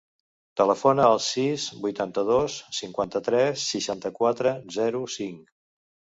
Telefona al sis, vuitanta-dos, cinquanta-tres, seixanta-quatre, zero, cinc.